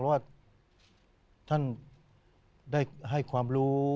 ว่าท่านได้ให้ความรู้